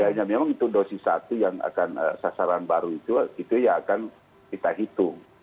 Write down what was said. ya memang itu dosis satu yang akan sasaran baru itu ya akan kita hitung